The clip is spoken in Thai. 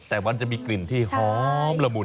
แต่มันจะมีกลิ่นที่หอมละมุน